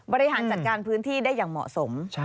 บริหารจัดการพื้นที่ได้อย่างเหมาะสม